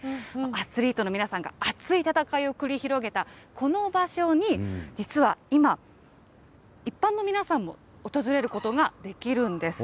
アスリートの皆さんが熱い戦いを繰り広げたこの場所に、実は今、一般の皆さんも訪れることができるんです。